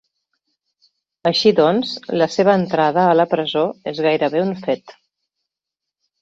Així doncs, la seva entrada a la presó és gairebé un fet.